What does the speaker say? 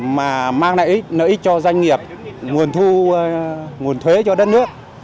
mà mang lợi ích cho doanh nghiệp nguồn thuế cho đất nước